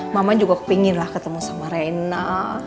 mama juga pengenlah ketemu sama rena